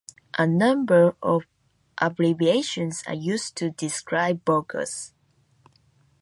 A number of abbreviations are used to describe bulkers.